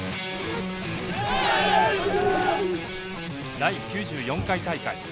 第９４回大会。